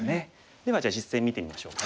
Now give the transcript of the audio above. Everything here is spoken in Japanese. ではじゃあ実戦見てみましょうかね。